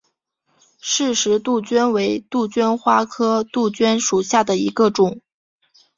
饰石杜鹃为杜鹃花科杜鹃属下的一个种。